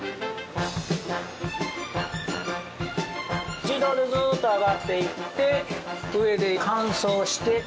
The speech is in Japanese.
自動でずっと上がっていって上で乾燥して。